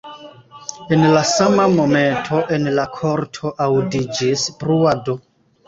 En la sama momento en la korto aŭdiĝis bruado.